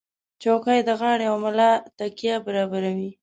چوکۍ د غاړې او ملا تکیه برابروي.